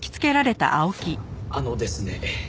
あのですね